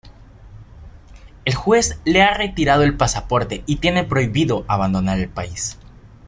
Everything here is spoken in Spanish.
El juez le ha retirado el pasaporte y tiene prohibido abandonar el país.